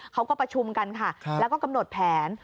เขาก็ประชุมกันค่ะแล้วก็กำหนดแผน